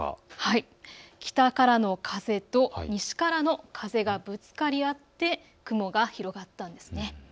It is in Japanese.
北からの風と西からの風がぶつかり合って雲が広がったんです。